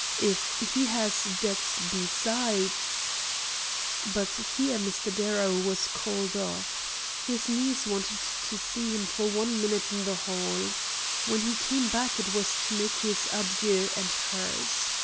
If he has debts besides " But here Mr. Darrow was called off. His niece wanted to see him for one minute in the hall. When he came back it was to make his adieu and hers.